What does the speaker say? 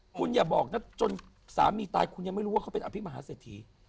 คุณอย่าบอกนะจนสามีตายคุณยังไม่รู้ว่าเขาเป็นอภิมหาเศรษฐี